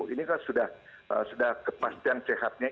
ini kan sudah kepastian sehatnya